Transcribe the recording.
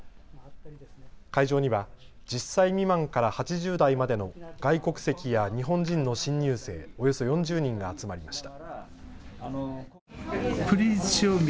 会場には１０歳未満から８０代までの外国籍や日本人の新入生およそ４０人が集まりました。